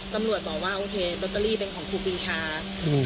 ตำรวจบอกว่าโอเคลอตเตอรี่เป็นของครูปีชา